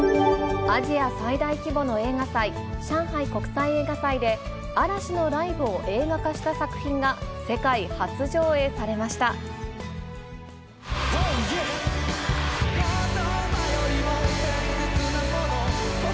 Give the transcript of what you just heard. アジア最大規模の映画祭、上海国際映画祭で、嵐のライブを映画化した作品が世界初上映されました。